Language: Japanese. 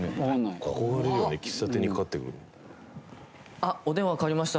あっお電話代わりました。